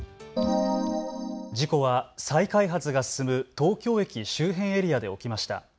事故は再開発が進む東京駅周辺エリアで起きました。